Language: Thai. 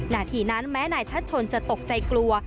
นาทีนั้นแม้นายชัดชนจะตกใจกลัว